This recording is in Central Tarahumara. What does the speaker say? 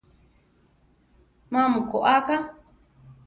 Má mu koáka?